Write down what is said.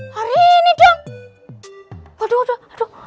hari ini dong